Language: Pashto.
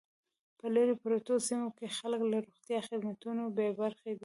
په لري پرتو سیمو کې خلک له روغتیايي خدمتونو بې برخې دي